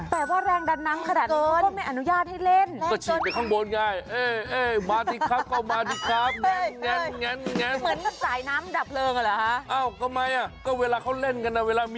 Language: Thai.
แต่ว่าแรงดันน้ำขนาดนี้ก็ไม่อนุญาตให้เล่น